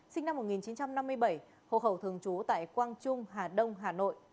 sinh năm một nghìn chín trăm năm mươi bảy hộ khẩu thường trú tại quang trung hà đông hà nội